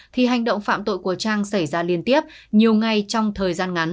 thì hành động phạm tội của trang xảy ra liên tiếp nhiều ngay trong thời gian ngắn